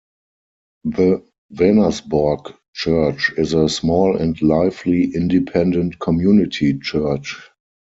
The Venersborg Church is a small and lively independent community church.